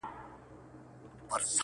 خبره د حمزه پر اړه روانه وه